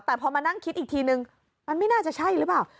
แต่พอมานั่งคิดอีกทีนึงมันไม่น่าจะใช่หรือเปล่า